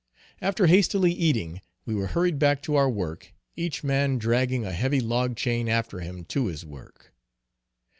After hastily eating, we were hurried back to our work, each man dragging a heavy log chain after him to his work.